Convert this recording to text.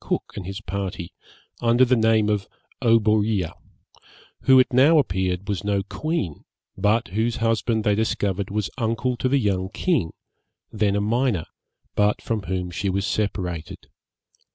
Cook and his party, under the name of Oberea, who, it now appeared, was no queen, but whose husband they discovered was uncle to the young king, then a minor, but from whom she was separated.